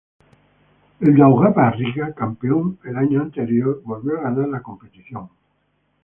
El Daugava Riga, campeón el año anterior, volvió a ganar la competición.